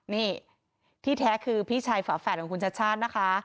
นี่ที่แท้คือพี่ชายฝาแฝดของคุณชัดชาตินะคะ